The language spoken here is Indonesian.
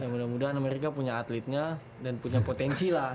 ya mudah mudahan amerika punya atletnya dan punya potensi lah